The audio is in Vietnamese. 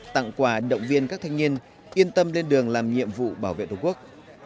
tặng quà động viên các thanh niên yên tâm lên đường làm nhiệm vụ bảo vệ tổ quốc